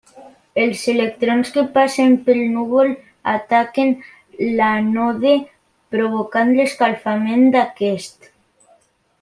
Els electrons que passen pel núvol ataquen l'ànode, provocant l'escalfament d'aquest.